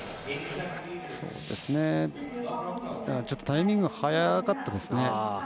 ちょっとタイミング早かったですね。